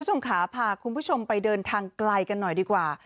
คุณผู้ชมค่ะพาคุณผู้ชมไปเดินทางไกลกันหน่อยดีกว่า